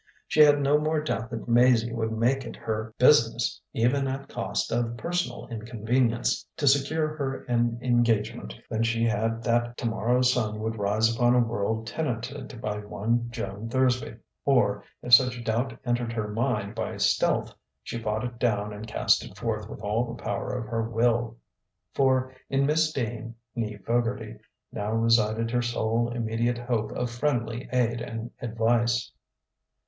She had no more doubt that Maizie would make it her business, even at cost of personal inconvenience, to secure her an engagement, than she had that tomorrow's sun would rise upon a world tenanted by one Joan Thursby. Or if such doubt entered her mind by stealth, she fought it down and cast it forth with all the power of her will. For in Miss Dean, née Fogarty, now resided her sole immediate hope of friendly aid and advice....